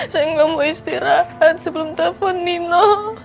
saya gak mau istirahat sebelum telepon nino